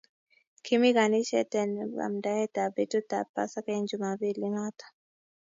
Kimii kaniset eng amndaet ab betut ab pasaka eng jumambili noto